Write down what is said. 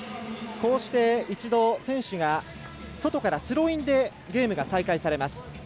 こうして、一度選手が外からスローインでゲームが再開されます。